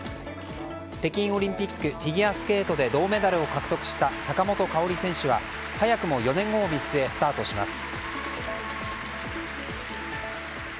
北京オリンピックフィギュアスケートで銅メダルを獲得した坂本花織選手は早くも４年後を見据えスタートします。